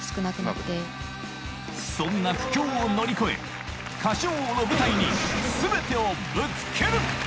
そんな苦境を乗り越え『歌唱王』の舞台に全てをぶつける！